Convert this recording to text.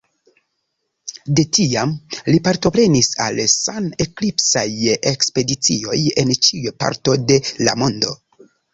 De tiam, li partoprenis al sun-eklipsaj ekspedicioj en ĉiuj parto de la mondo.